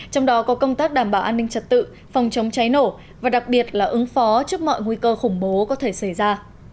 trật tự phòng chống cháy nổ và đặc biệt là ứng phó trước mọi nguy cơ khủng bố có thể xảy ra